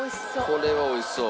これは美味しそう。